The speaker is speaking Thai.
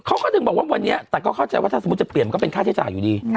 เขาก็ถึงบอกว่าวันนี้แต่ก็เข้าใจว่าถ้าสมมุติจะเปลี่ยนก็เป็นค่าใช้จ่ายอยู่ดี